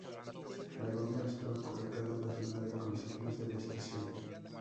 La bomba estaba colocada en la zona de consignas de la estación.